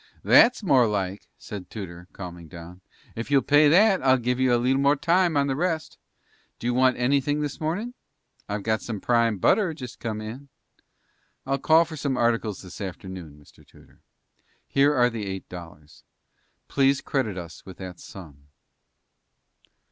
"That's more like!" said Tudor, calming down. "Ef you'll pay that I'll give you a leetle more time on the rest. Do you want anything this mornin'? I've got some prime butter just come in." "I'll call for some articles this afternoon, Mr. Tudor. Here are the eight dollars. Please credit us with that sum."